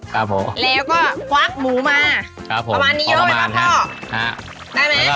ประมาณนี้อ้อยค่ะพ่อได้ไหมค่ะ